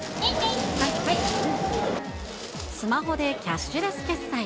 スマホでキャッシュレス決済。